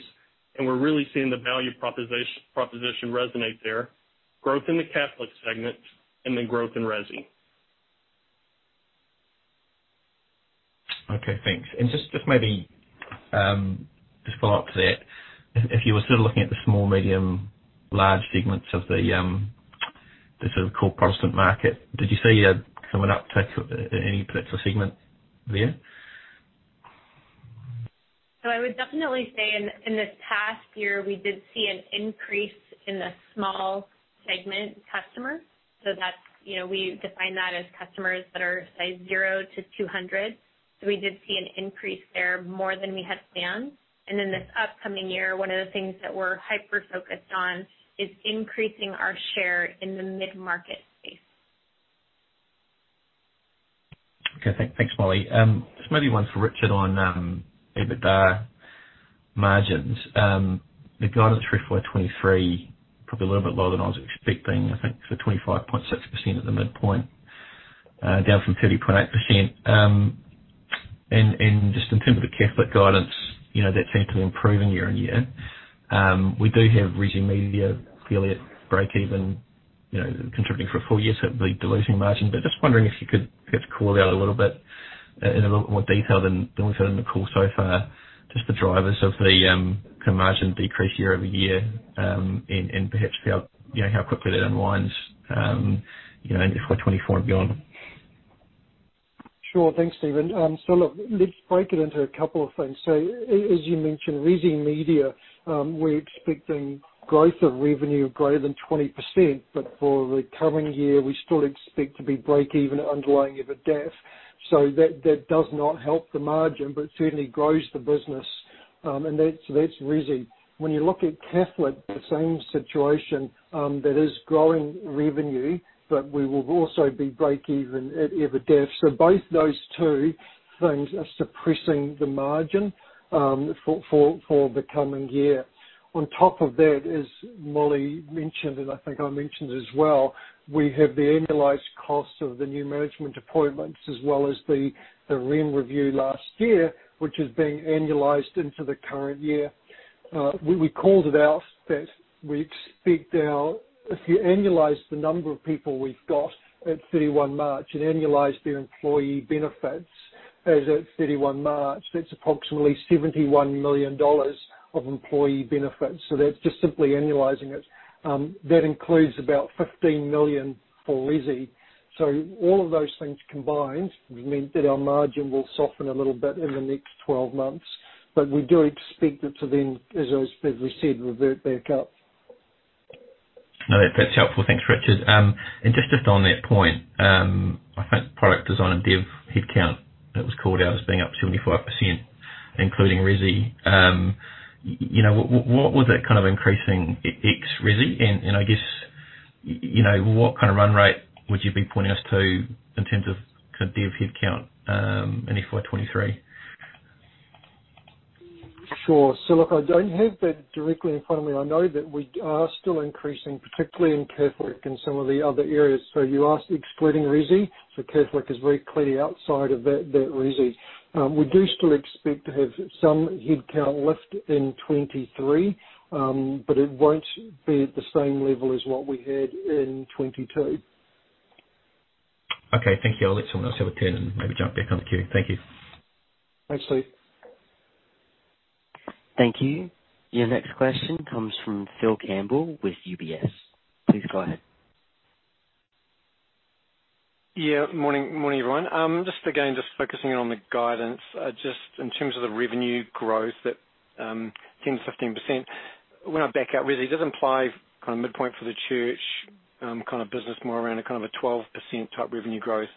and we're really seeing the value proposition resonate there. Growth in the Catholic segment and then growth in Resi. Okay, thanks. Just maybe just Follow-Up to that. If you were sort of looking at the small, medium, large segments of the sort of core Protestant market, did you see a somewhat uptick any particular segment there? I would definitely say in this past year, we did see an increase in the small segment customers. That's, you know, we define that as customers that are size 0 to 200. We did see an increase there more than we had planned. In this upcoming year, one of the things that we're hyper-focused on is increasing our share in the mid-market space. Okay. Thanks, Molly. This may be one for Richard on EBITDA margins. The guidance for FY23, probably a little bit lower than I was expecting. I think it's at 25.6% at the midpoint, down from 30.8%. Just in terms of the Catholic guidance, you know, that seemed to be improving year on year. We do have Resi Media fairly at breakeven, you know, contributing for a full year, so it'll be diluting margin. Just wondering if you could perhaps call out a little bit in a little more detail than we've heard on the call so far, just the drivers of the kind of margin decrease year over year, and perhaps how, you know, how quickly that unwinds, you know, in FY24 and beyond. Sure. Thanks, Stephen. Look, let's break it into a couple of things. As you mentioned, Resi Media, we're expecting growth of revenue greater than 20%, but for the coming year, we still expect to be breakeven at underlying EBITDAF. That does not help the margin, but certainly grows the business. And that's Resi. When you look at Catholic, the same situation, that is growing revenue, but we will also be breakeven at EBITDAF. Both those 2 things are suppressing the margin for the coming year. On top of that, as Molly mentioned, and I think I mentioned as well, we have the annualized cost of the new management appointments as well as the remuneration review last year, which is being annualized into the current year. We called it out that we expect our... If you annualize the number of people we've got at 31 March and annualize their employee benefits as at 31 March, that's approximately $71 million of employee benefits. That's just simply annualizing it. That includes about $15 million for Resi. All of those things combined would mean that our margin will soften a little bit in the next 12 months, but we do expect it to then, as I said, as we said, revert back up. No, that's helpful. Thanks, Richard. Just on that point, I think product design and dev headcount that was called out as being up 25%, including Resi. You know, what was it kind of increasing ex Resi? I guess, you know, what kind of run rate would you be pointing us to in terms of kind of dev headcount in FY23? Sure. Look, I don't have that directly in front of me. I know that we are still increasing, particularly in Catholic and some of the other areas. You asked excluding Resi. Catholic is very clearly outside of that Resi. We do still expect to have some headcount left in 2023, but it won't be at the same level as what we had in 2022. Okay. Thank you. I'll let someone else have a turn and maybe jump back on the queue. Thank you. Thanks, Stephen. Thank you. Your next question comes from Phil Campbell with UBS. Please go ahead. Yeah. Morning, everyone. Just again, just focusing on the guidance, just in terms of the revenue growth that, 10%-15%. When I back out, really it does imply kind of midpoint for the church, kind of business more around a kind of a 12% type revenue growth.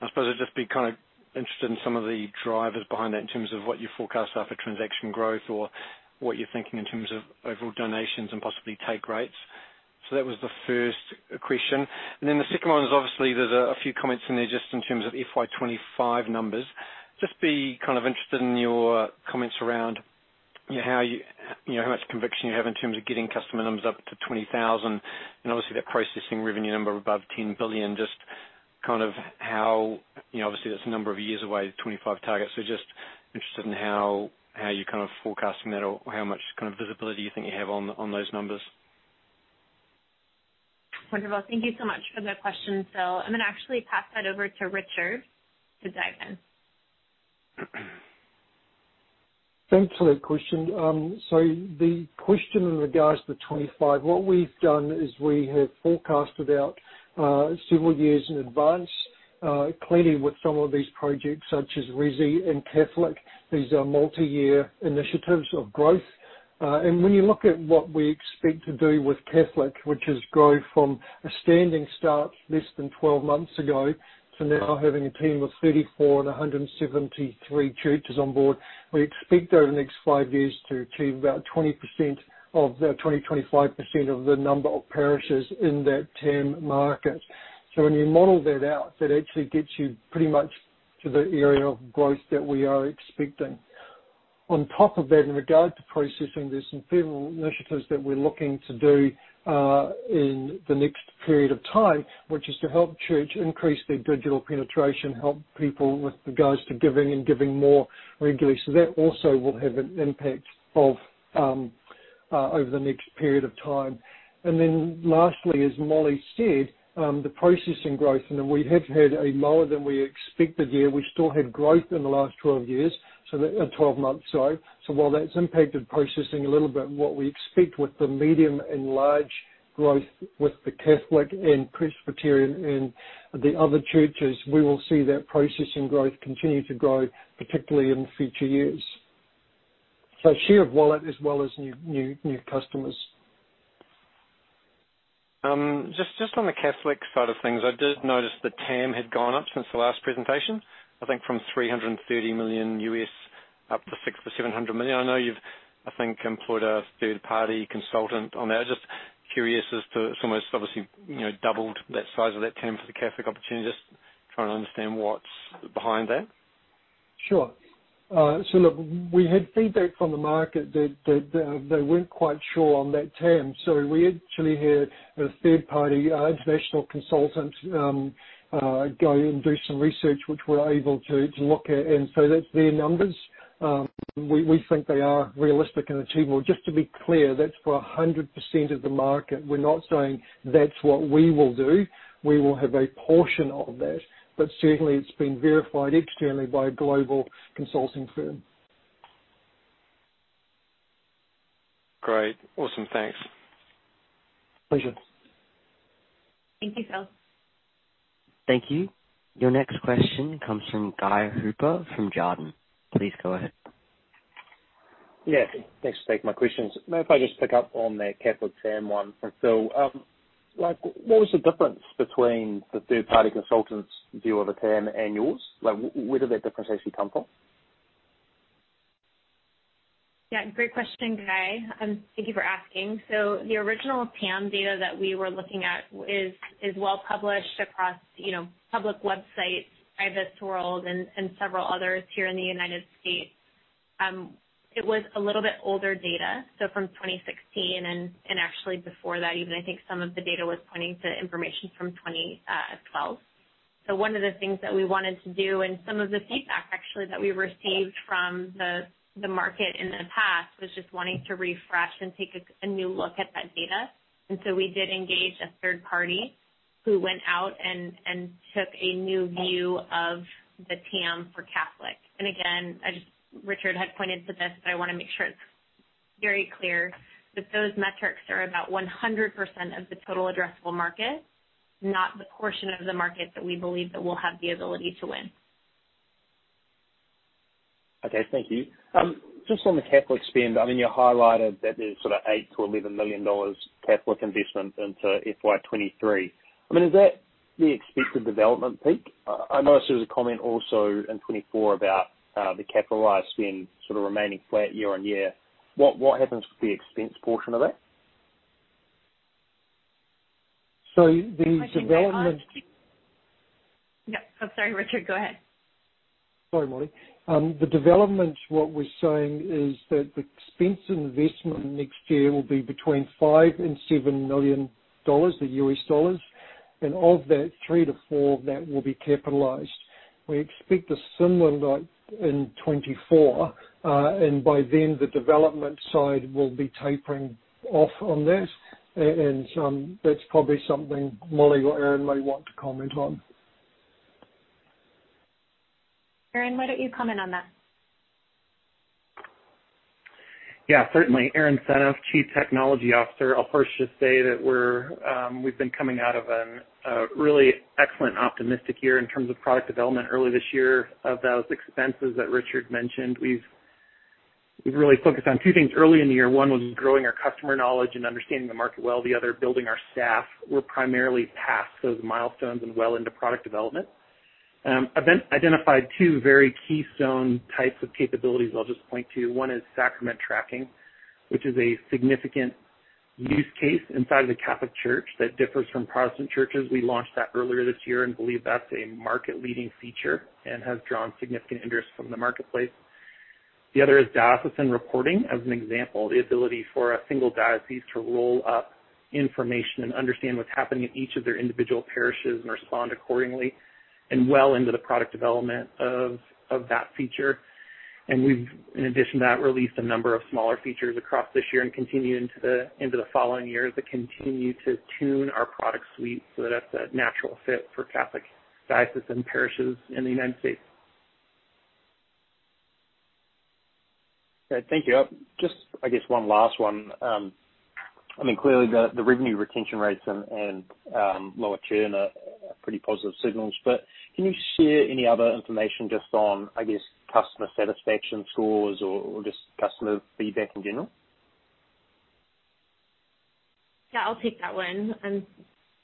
I suppose I'd just be kind of interested in some of the drivers behind that in terms of what you forecast after transaction growth or what you're thinking in terms of overall donations and possibly take rates. That was the first question. Then the second one is obviously there's a few comments in there just in terms of FY25 numbers. Just be kind of interested in your comments around, you know, how you know, how much conviction you have in terms of getting customer numbers up to 20,000 and obviously that processing revenue number above $10 billion, just kind of how, you know, obviously, that's a number of years away, the 25 target. Just interested in how you're kind of forecasting that or how much kind of visibility you think you have on those numbers. Wonderful. Thank you so much for the question, Phil. I'm gonna actually pass that over to Richard to dive in. Thanks for that question. The question in regards to 25, what we've done is we have forecasted out several years in advance. Clearly with some of these projects, such as Resi and Catholic, these are Multi-Year initiatives of growth. When you look at what we expect to do with Catholic, which is grow from a standing start less than 12 months ago to now having a team of 34 and 173 churches on board. We expect over the next 5 years to achieve about 25% of the number of parishes in that TAM market. When you model that out, that actually gets you pretty much to the area of growth that we are expecting. On top of that, in regard to processing, there's some federal initiatives that we're looking to do in the next period of time, which is to help church increase their digital penetration, help people with regards to giving and giving more regularly. That also will have an impact over the next period of time. Then lastly, as Molly said, the processing growth, and we have had a lower than we expected year. We still had growth in the last 12 months. While that's impacted processing a little bit, what we expect with the medium and large growth with the Catholic and Presbyterian and the other churches, we will see that processing growth continue to grow, particularly in future years. Share of wallet as well as new customers. Just on the Catholic side of things, I did notice the TAM had gone up since the last presentation, I think from $330 million up to $600 million-$700 million. I know you've, I think, employed a 1/3-Party consultant on that. Just curious as to it's almost obviously, you know, doubled that size of that TAM for the Catholic opportunity. Just trying to understand what's behind that. Sure. So look, we had feedback from the market that they weren't quite sure on that TAM. We actually had a 1/3-Party international consultant go and do some research, which we're able to look at. That's their numbers. We think they are realistic and achievable. Just to be clear, that's for 100% of the market. We're not saying that's what we will do. We will have a portion of that, but certainly it's been verified externally by a global consulting firm. Great. Awesome. Thanks. Pleasure. Thank you, Phil. Thank you. Your next question comes from Guy Hooper from Jarden. Please go ahead. Yeah. Thanks for taking my questions. Now, if I just pick up on the Catholic TAM one from Phil. Like, what was the difference between the 1/3 party consultant's view of the TAM and yours? Like, where did that difference actually come from? Yeah, great question, Guy, and thank you for asking. The original TAM data that we were looking at is well published across, you know, public websites, Pew Research and several others here in the United States. It was a little bit older data, so from 2016 and actually before that even. I think some of the data was pointing to information from 2012. One of the things that we wanted to do and some of the feedback actually that we received from the market in the past was just wanting to refresh and take a new look at that data. We did engage a 1/3 party who went out and took a new view of the TAM for Catholic. Again, I just... Richard had pointed to this, but I wanna make sure it's very clear that those metrics are about 100% of the total addressable market, not the portion of the market that we believe that we'll have the ability to win. Okay. Thank you. Just on the Catholic spend, I mean, you highlighted that there's sort of $8 million-$11 million Catholic investment into FY23. I mean, is that the expected development peak? I noticed there was a comment also in 2024 about, the capitalized spend sort of remaining flat year-on-Year. What happens with the expense portion of that? So the development- Yeah. I'm sorry, Richard, go ahead. Sorry, Molly. The development, what we're saying is that the expense investment next year will be between $5 million and $7 million. Of that, $3 million to $4 million will be capitalized. We expect a similar like in 2024, and by then the development side will be tapering off on that. That's probably something Molly or Aaron may want to comment on. Aaron, why don't you comment on that? Yeah, certainly. Aaron Senneff, Chief Technology Officer. I'll first just say that we've been coming out of a really excellent optimistic year in terms of product development early this year. Of those expenses that Richard mentioned, we've really focused on 2 things early in the year. One was growing our customer knowledge and understanding the market well, the other, building our staff. We're primarily past those milestones and well into product development. I've then identified 2 very keystone types of capabilities I'll just point to. One is sacrament tracking, which is a significant use case inside of the Catholic Church that differs from Protestant churches. We launched that earlier this year and believe that's a market leading feature and has drawn significant interest from the marketplace. The other is diocesan reporting. As an example, the ability for a single diocese to roll up information and understand what's happening in each of their individual parishes and respond accordingly and well into the product development of that feature. We've, in addition to that, released a number of smaller features across this year and continue into the following years that continue to tune our product suite so that it's a natural fit for Catholic diocese and parishes in the United States. Okay. Thank you. Just, I guess one last one. I mean, clearly the revenue retention rates and lower churn are pretty positive signals, but can you share any other information just on, I guess, customer satisfaction scores or just customer feedback in general? Yeah, I'll take that one.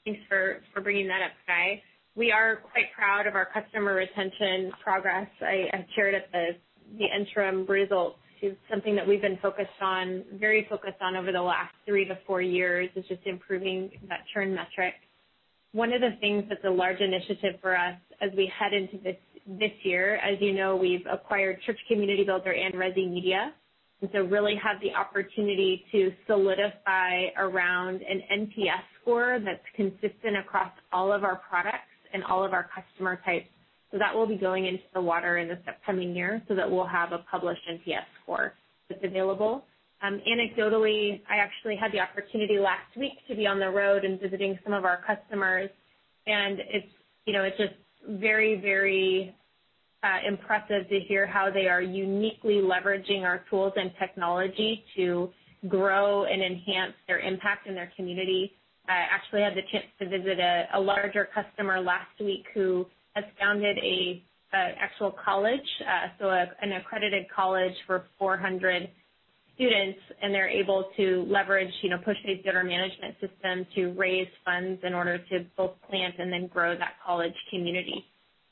Thanks for bringing that up, Guy. We are quite proud of our customer retention progress. I've shared at the interim results is something that we've been focused on, very focused on over the last 3-4 years, is just improving that churn metric. One of the things that's a large initiative for us as we head into this year, as you know, we've acquired Church Community Builder and Resi Media, and so really have the opportunity to solidify around an NPS score that's consistent across all of our products and all of our customer types. That will be going into the water in this upcoming year, so that we'll have a published NPS score that's available. Anecdotally, I actually had the opportunity last week to be on the road and visiting some of our customers, and it's, you know, it's just very impressive to hear how they are uniquely leveraging our tools and technology to grow and enhance their impact in their community. I actually had the chance to visit a larger customer last week who has founded an accredited college for 400 students, and they're able to leverage, you know, Pushpay's donor management system to raise funds in order to both plant and then grow that college community.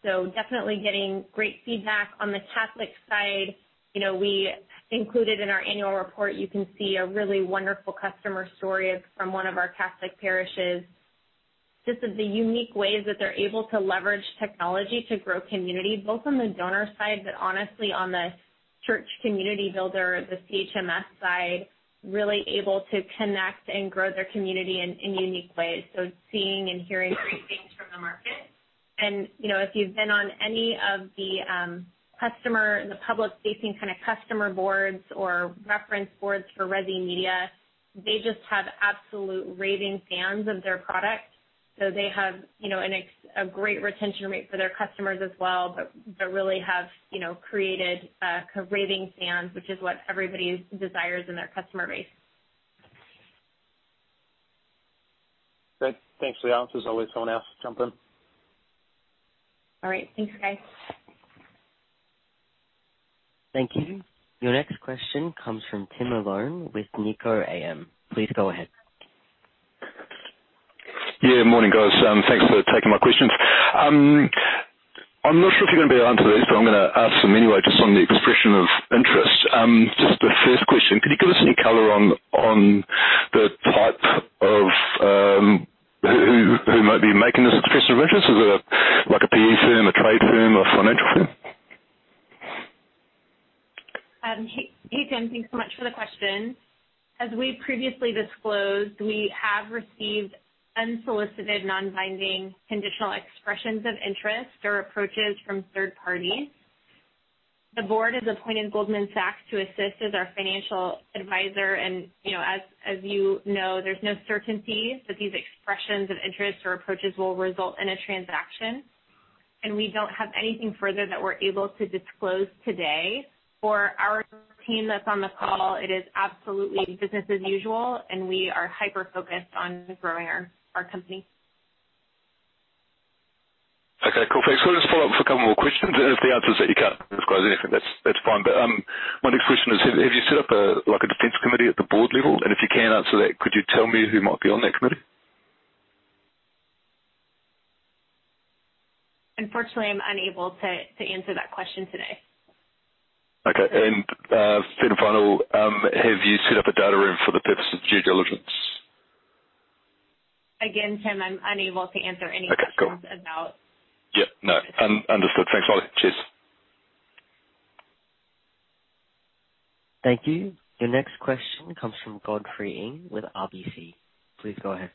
So definitely getting great feedback. On the Catholic side, you know, we included in our annual report, you can see a really wonderful customer story from one of our Catholic parishes. One of the unique ways that they're able to leverage technology to grow community, both on the donor side, but honestly on the Church Community Builder, the CHMS side, really able to connect and grow their community in unique ways. Seeing and hearing great things from the market. You know, if you've been on any of the customer, the public facing kind of customer boards or reference boards for Resi Media, they just have absolute raving fans of their product. They have, you know, a great retention rate for their customers as well. They really have, you know, created raving fans, which is what everybody desires in their customer base. Great. Thanks for the answers. I'll let someone else jump in. All right. Thanks, Guy. Thank you. Your next question comes from Tim Malone with Nikko AM. Please go ahead. Yeah, morning, guys. Thanks for taking my questions. I'm not sure if you're gonna be able to answer these, but I'm gonna ask them anyway, just on the expression of interest. Just the first question, could you give us any color on the type of who might be making this expression of interest? Is it, like, a PE firm, a trade firm, or financial firm? Hey, Tim, thanks so much for the question. As we previously disclosed, we have received unsolicited, Non-binding conditional expressions of interest or approaches from 1/3 parties. The board has appointed Goldman Sachs to assist as our financial advisor. You know, as you know, there's no certainty that these expressions of interest or approaches will result in a transaction. We don't have anything further that we're able to disclose today. For our team that's on the call, it is absolutely business as usual, and we are hyper-focused on growing our company. Okay. Cool. Thanks. Can I just follow up for a couple more questions? If the answer is that you can't disclose anything, that's fine. My next question is, have you set up a, like, a defense committee at the board level? If you can answer that, could you tell me who might be on that committee? Unfortunately, I'm unable to answer that question today. Have you set up a data room for the purpose of due diligence? Again, Tim, I'm unable to answer any questions. Okay, cool. -about- Yeah, no. Understood. Thanks, Molly. Cheers. Thank you. Your next question comes from Godfrey Ng with RBC. Please go ahead.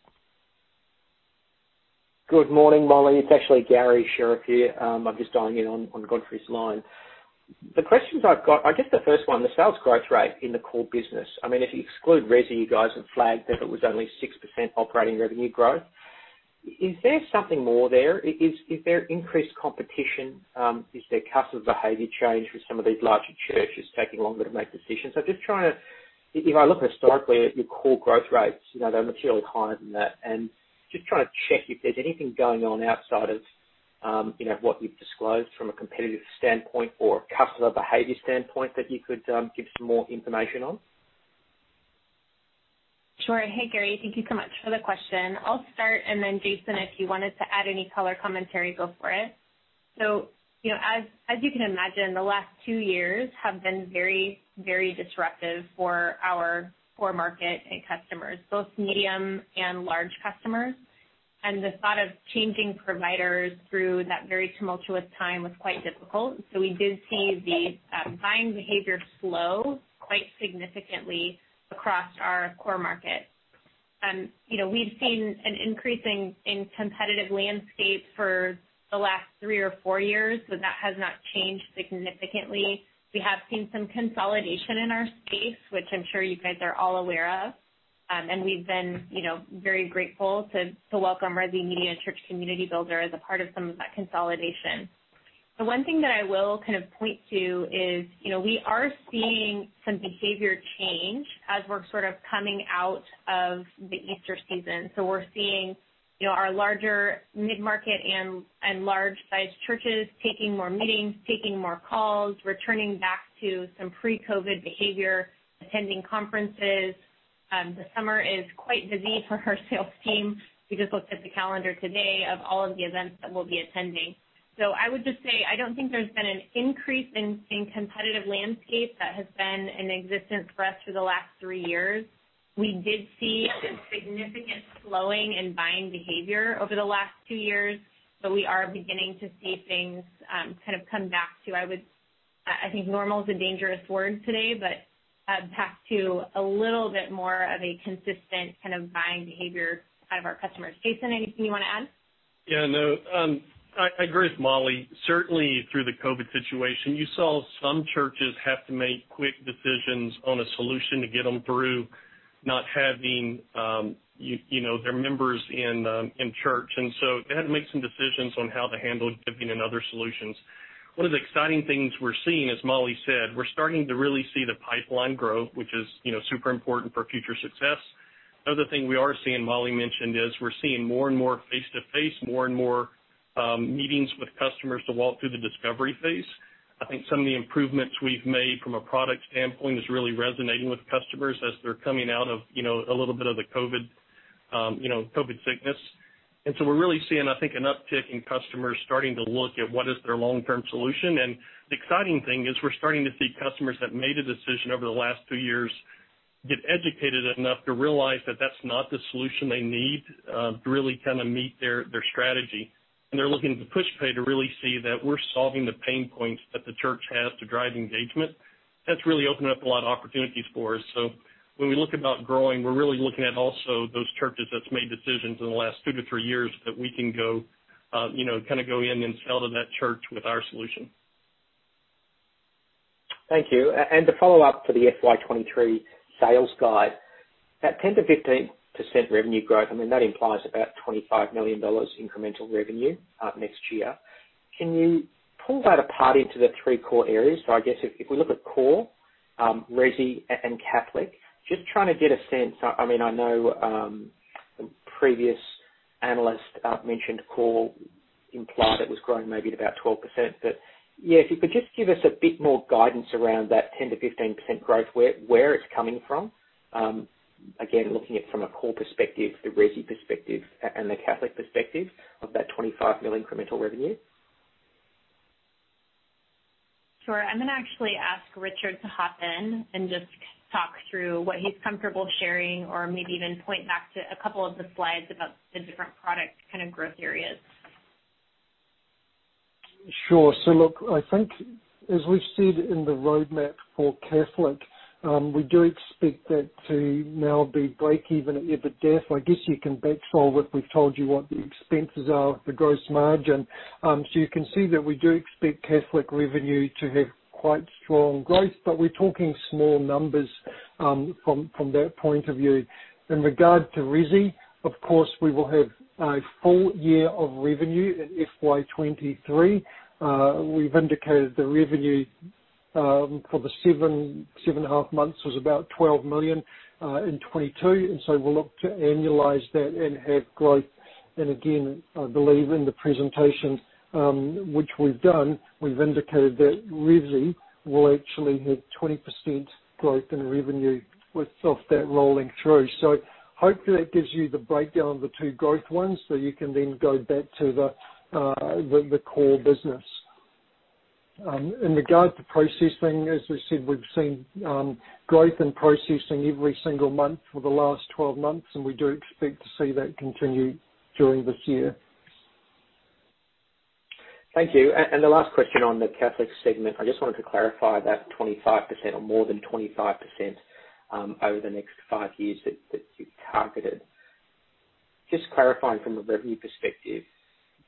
Good morning, Molly. It's actually Garry Sherriff here. I'm just dialing in on Godfrey's line. The questions I've got, I guess the first one, the sales growth rate in the core business. I mean, if you exclude Resi, you guys have flagged that it was only 6% operating revenue growth. Is there something more there? Is there increased competition? Is there customer behavior change with some of these larger churches taking longer to make decisions? Just trying to. If I look historically at your core growth rates, you know, they're materially higher than that. Just trying to check if there's anything going on outside of, you know, what you've disclosed from a competitive standpoint or a customer behavior standpoint that you could give some more information on. Sure. Hey, Garry. Thank you so much for the question. I'll start, and then Jason, if you wanted to add any color commentary, go for it. You know, as you can imagine, the last 2 years have been very, very disruptive for our core market and customers, both medium and large customers. The thought of changing providers through that very tumultuous time was quite difficult. We did see the buying behavior slow quite significantly across our core markets. You know, we've seen an increase in the competitive landscape for the last 3 or 4 years, but that has not changed significantly. We have seen some consolidation in our space, which I'm sure you guys are all aware of. We've been, you know, very grateful to welcome Resi Media and Church Community Builder as a part of some of that consolidation. The one thing that I will kind of point to is, you know, we are seeing some behavior change as we're sort of coming out of the Easter season. We're seeing, you know, our larger mid-market and large-sized churches taking more meetings, taking more calls, returning back to some Pre-COVID behavior, attending conferences. The summer is quite busy for our sales team. We just looked at the calendar today of all of the events that we'll be attending. I would just say, I don't think there's been an increase in competitive landscape that has been in existence for us for the last 3 years. We did see a significant slowing in buying behavior over the last 2 years, but we are beginning to see things kind of come back to, I would. I think normal is a dangerous word today, but back to a little bit more of a consistent kind of buying behavior out of our customers. Jason, anything you wanna add? Yeah, no. I agree with Molly. Certainly through the COVID situation, you saw some churches have to make quick decisions on a solution to get them through not having you know their members in church. They had to make some decisions on how to handle giving and other solutions. One of the exciting things we're seeing, as Molly said, we're starting to really see the pipeline grow, which is you know super important for future success. Another thing we are seeing Molly mention is we're seeing more and more face-to-face, more and more meetings with customers to walk through the discovery phase. I think some of the improvements we've made from a product standpoint is really resonating with customers as they're coming out of you know a little bit of the COVID you know COVID sickness. We're really seeing, I think, an uptick in customers starting to look at what is their Long-Term solution. The exciting thing is we're starting to see customers that made a decision over the last 2 years get educated enough to realize that that's not the solution they need to really kinda meet their strategy. They're looking to Pushpay to really see that we're solving the pain points that the church has to drive engagement. That's really opened up a lot of opportunities for us. When we look about growing, we're really looking at also those churches that's made decisions in the last 2 to 3 years that we can go, you know, kinda go in and sell to that church with our solution. Thank you. To follow up to the FY23 guidance, that 10%-15% revenue growth, I mean, that implies about $25 million incremental revenue next year. Can you pull that apart into the 3 core areas? I guess if we look at core, Resi and Catholic, just trying to get a sense. I mean, I know the previous analyst mentioned core implied it was growing maybe at about 12%. Yeah, if you could just give us a bit more guidance around that 10%-15% growth, where it's coming from. Again, looking at from a core perspective, the Resi perspective, and the Catholic perspective of that $25 mil incremental revenue. Sure. I'm gonna actually ask Richard to hop in and just talk through what he's comfortable sharing or maybe even point back to a couple of the Slides about the different product kinda growth areas. Sure. Look, I think as we've said in the roadmap for Catholic, we do expect that to now be break even at EBITDA. I guess you can back solve what we've told you, what the expenses are of the gross margin. You can see that we do expect Catholic revenue to have quite strong growth, but we're talking small numbers, from that point of view. In regard to Resi, of course, we will have a full year of revenue in FY23. We've indicated the revenue for the 7 and a 1/2 months was about $12 million in 2022, and we'll look to annualize that and have growth. Again, I believe in the presentation which we've done, we've indicated that Resi will actually have 20% growth in revenue off that rolling through. Hopefully that gives you the breakdown of the 2 growth ones, so you can then go back to the core business. In regard to processing, as we said, we've seen growth in processing every single month for the last 12 months, and we do expect to see that continue during this year. Thank you. The last question on the Catholic segment. I just wanted to clarify that 25% or more than 25%, over the next 5 years that you've targeted. Just clarifying from a revenue perspective,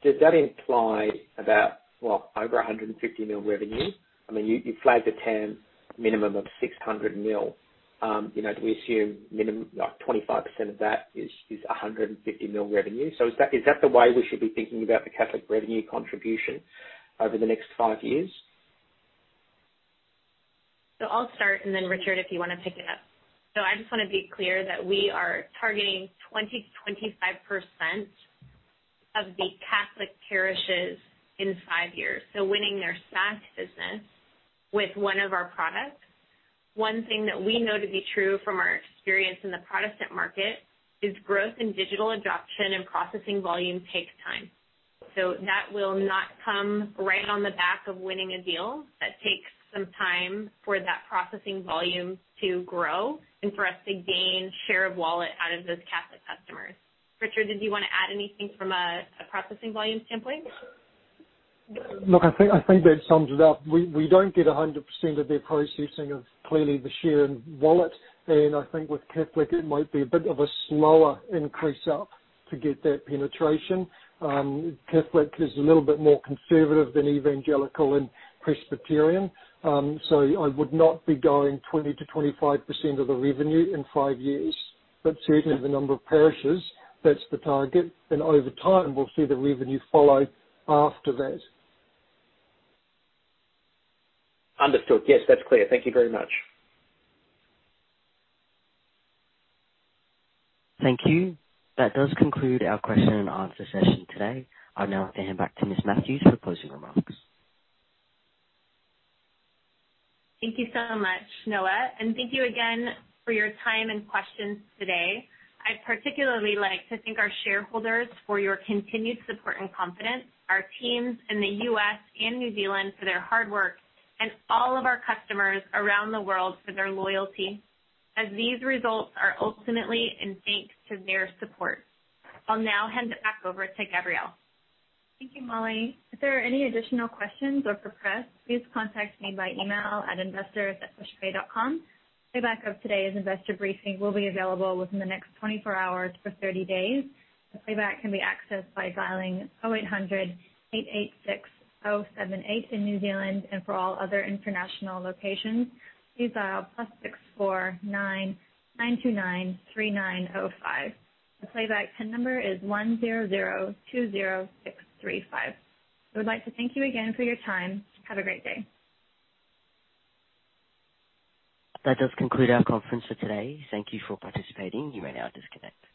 does that imply about, well, over $150 million revenue? I mean, you flagged a TAM minimum of $600 million. You know, do we assume minimum, like, 25% of that is a $150 million revenue? Is that the way we should be thinking about the Catholic revenue contribution over the next 5 years? I'll start, and then Richard, if you wanna pick it up. I just wanna be clear that we are targeting 20%-25% of the Catholic parishes in 5 years, so winning their SaaS business with one of our products. One thing that we know to be true from our experience in the Protestant market is growth in digital adoption and processing volume takes time. That will not come right on the back of winning a deal. That takes some time for that processing volume to grow and for us to gain share of wallet out of those Catholic customers. Richard, did you wanna add anything from a processing volume standpoint? Look, I think that sums it up. We don't get 100% of their processing, clearly the share of wallet. I think with Catholic it might be a bit of a slower increase up to get that penetration. Catholic is a little bit more conservative than Evangelical and Presbyterian. I would not be going 20%-25% of the revenue in 5 years. Certainly the number of parishes, that's the target. Over time, we'll see the revenue follow after that. Understood. Yes, that's clear. Thank you very much. Thank you. That does conclude our question and answer session today. I'll now hand back to Ms. Matthews for closing remarks. Thank you so much, Noah, and thank you again for your time and questions today. I'd particularly like to thank our shareholders for your continued support and confidence, our teams in the U.S. and New Zealand for their hard work, and all of our customers around the world for their loyalty, as these results are ultimately in thanks to their support. I'll now hand it back over to Gabrielle. Thank you, Molly. If there are any additional questions or for press, please contact me by email at investors@pushpay.com. Playback of today's investor briefing will be available within the next 24 hours for 30 days. The playback can be accessed by dialing 0800-886-078 in New Zealand. For all other international locations, please dial +649-929-3905. The playback pin number is 1020635. I would like to thank you again for your time. Have a great day. That does conclude our conference for today. Thank you for participating. You may now disconnect.